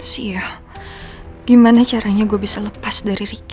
sia gimana caranya gue bisa lepas dari ricky